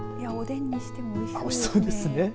おでんにしてもおいしそうですね。